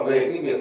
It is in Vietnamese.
về cái việc